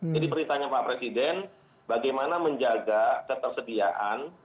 jadi perintahnya pak presiden bagaimana menjaga ketersediaan